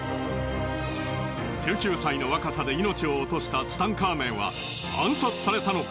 １９歳の若さで命を落としたツタンカーメンは暗殺されたのか？